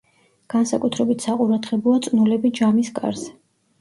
განსაკუთრებით საყურადღებოა წნულები ჯამის კარზე.